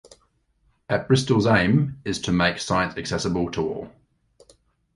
At-Bristol's aim is to make science accessible to all.